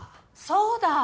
そうだ。